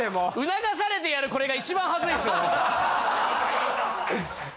促されてやるこれが一番恥ずいっすよね。